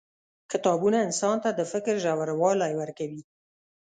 • کتابونه انسان ته د فکر ژوروالی ورکوي.